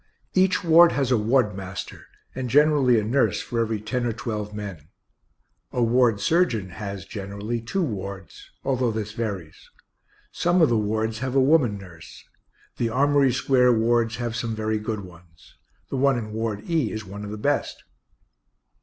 Each ward has a ward master, and generally a nurse for every ten or twelve men. A ward surgeon has, generally, two wards although this varies. Some of the wards have a woman nurse; the Armory square wards have some very good ones. The one in Ward E is one of the best.